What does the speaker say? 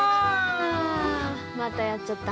あまたやっちゃった。